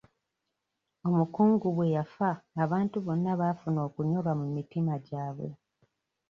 Omukungu bwe yafa abantu bonna baafuna okunyolwa mu mitima gyabwe.